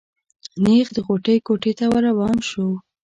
نېغ د غوټۍ کوټې ته ور روان شو.